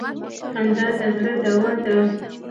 خندا د زړه دوا ده.